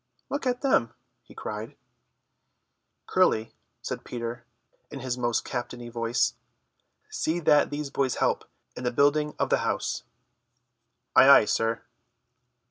"Look at them!" he cried. "Curly," said Peter in his most captainy voice, "see that these boys help in the building of the house." "Ay, ay, sir."